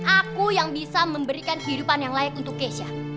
aku yang bisa memberikan kehidupan yang layak untuk keisha